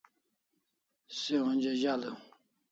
Se onja zaliu